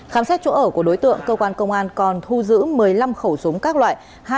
khám xét chỗ ở của đối tượng cơ quan công an còn thu giữ một mươi năm khẩu súng các loại